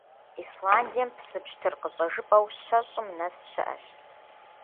Исландием псы пщтыр къыщӀэжыпӀэу щэщӏым нэс щыӀэщ.